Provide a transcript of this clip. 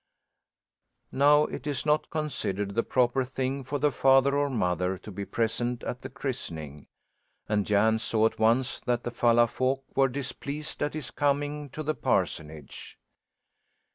Now, it is not considered the proper thing for the father or mother to be present at the christening, and Jan saw at once that the Falla folk were displeased at his coming to the parsonage.